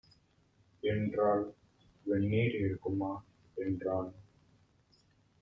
என்றாள். "வெந்நீர் இருக்குமா" என்றான்.